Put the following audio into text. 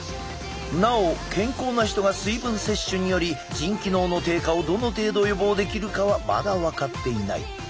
なお健康な人が水分摂取により腎機能の低下をどの程度予防できるかはまだ分かっていない。